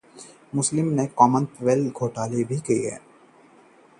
Commonwealth घोटाले की हो सीबीआई जांच: बीजेपी